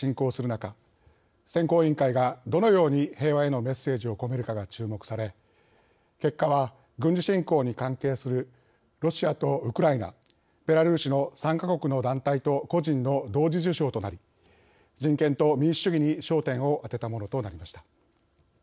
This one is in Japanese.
中選考委員会がどのように平和へのメッセージを込めるかが注目され結果は、軍事侵攻に関係するロシアとウクライナベラルーシの３か国の団体と個人の同時受賞となり人権と民主主義に焦点を当てたものとなりました。